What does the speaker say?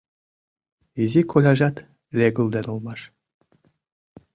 Изи коляжат легылден улмаш